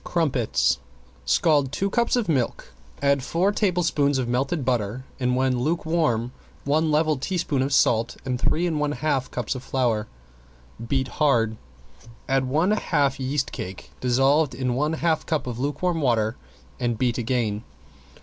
~CRUMPETS~ Scald two cups of milk, add four tablespoons of melted butter and when lukewarm one level teaspoon of salt and three and one half cups of flour. Beat hard, add one half yeast cake, dissolved in one half cup of lukewarm water and beat again.